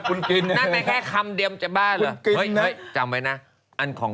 กูให้เขาผ่านอันดับหนึ่ง